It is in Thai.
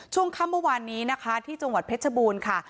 ช่วงค่ำเมื่อวานนี้นะคะที่จังหวัดเพชรบูรณ์ค่ะ